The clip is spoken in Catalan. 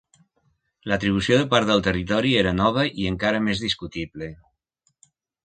L'atribució de part del territori era nova i encara més discutible.